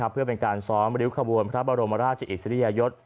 เพื่อเป็นการซ้อมริ้วขบวนพระบรมราชอิสริยยศ